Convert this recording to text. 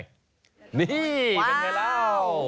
นี่เป็นไงแล้ว